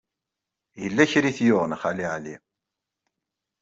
Yella kra i t-yuɣen Xali Ɛli.